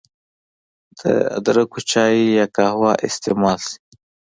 د ادرکو چای يا قهوه استعمال شي